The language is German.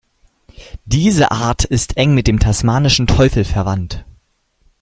Diese Art ist eng mit dem Tasmanischen Teufel verwandt.